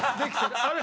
あれ？